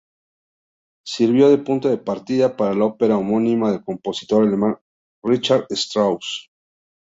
Sirvió de punto de partida para la ópera homónima del compositor alemán Richard Strauss.